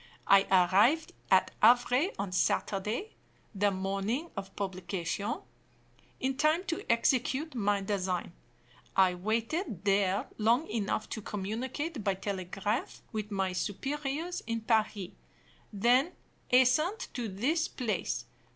I arrived at Havre on Saturday (the morning of publication), in time to execute my design. I waited there long enough to communicate by telegraph with my superiors in Paris, then hastened to this place.